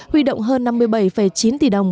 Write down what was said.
huy động hơn năm mươi bảy chín tỷ đồng